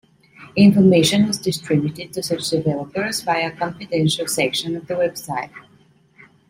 Information was distributed to such developers via a confidential section of the website.